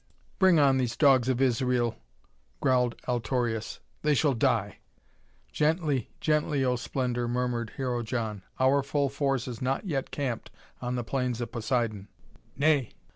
"Bring on these dogs of Israel," growled Altorius. "They shall die!" "Gently, gently, oh Splendor," murmured Hero John. "Our full force is not yet camped on the Plains of Poseidon." "Nay!